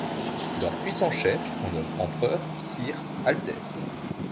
Leurs puissants chefs, qu’on nomme empereur, sire, altesse